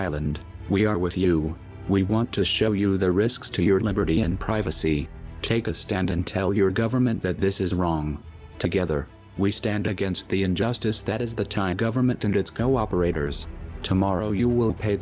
และการคุมการการวิจัตริย์